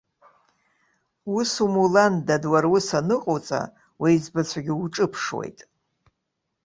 Ус умулан, дад, уара ус аныҟауҵа, уеиҵбацәагьы уҿыԥшуеит.